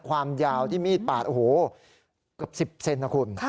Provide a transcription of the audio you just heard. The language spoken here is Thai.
ความยาวที่มีดปาดโอ้โหเกือบ๑๐เซนนะคุณ